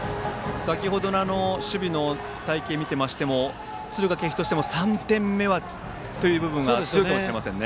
先程の守備の隊形を見ていても敦賀気比としても３点目はという部分は強いかもしれませんね。